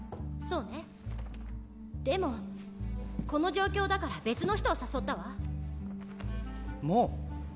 そうねでもこの状況だから別の人を誘ったわもう？